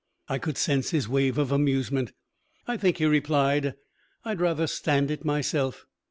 I could sense his wave of amusement. "I think," he replied, "I'd rather stand it myself.